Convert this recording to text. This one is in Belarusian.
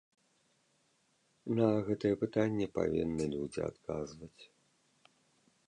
На гэтае пытанне павінны людзі адказваць.